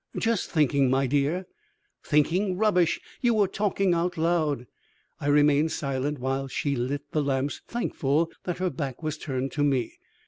"Just thinking, my dear." "Thinking, rubbish! You were talking out loud." I remained silent while she lit the lamps, thankful that her back was turned to me.